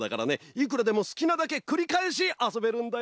いくらでもすきなだけくりかえしあそべるんだよ！